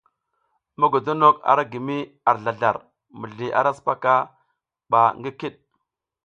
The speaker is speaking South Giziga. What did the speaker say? Mogodonok a ra gi mi ar zlazlar, mizli ara sipaka ba ngi kiɗ.